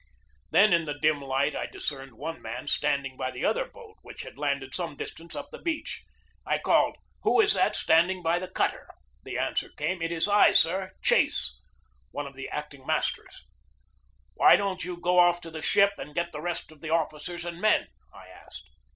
Then in the dim light I discerned one man stand 98 GEORGE DEWEY ing by the other boat, which had landed some dis tance up the beach. I called: "Who is that standing by the cutter?" The answer came: "It is I, sir, Chase" (one of the acting masters). "Why don't you go off to the ship and get the rest of the officers and men?" I asked.